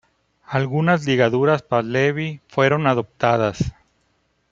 Algunas ligaduras pahlevi fueron adoptadas.